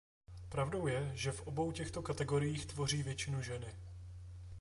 Pravdou je, že v obou těchto kategoriích tvoří většinu ženy.